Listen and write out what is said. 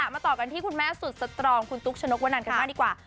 มาต่อกันที่คุณแม่สุดสตรองคุณตุ๊กชนกวนันกันบ้างดีกว่า